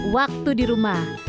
waktu di rumah